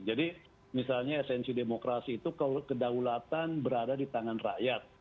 jadi misalnya esensi demokrasi itu kedaulatan berada di tangan rakyat